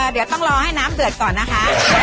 เดี๋ยวต้องรอให้น้ำเดือดก่อนนะคะ